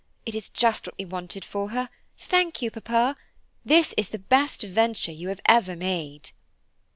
It is just what we wanted for her, thank you, papa; this is the best venture you have ever made."